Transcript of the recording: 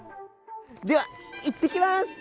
では行ってきます！